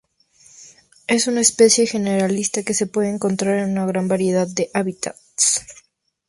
Es una especie generalista que se puede encontrar en una gran variedad de hábitats.